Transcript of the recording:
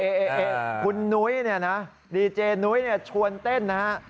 เอ๊ะคุณนุ้ยเนี่ยนะดีเจนุ้ยชวนเต้นนะฮะ